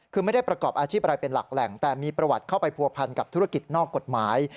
คือไม่ได้ประกอบอาชีพอะไรเป็นหลักแหล่งแต่มีประวัติเข้าไปผัวพันกับธุรกิจนอกกฎหมาย